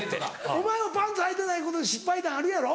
お前もパンツはいてないことで失敗談あるやろ？